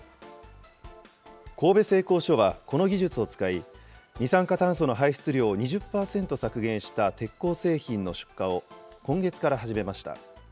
神戸製鋼所は、この技術を使い、二酸化炭素の排出量を２０％削減した鉄鋼製品の出荷を、今月から始めました。